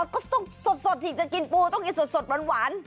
ก็ต้องสดที่จะกินปูต้องกินสดหวาน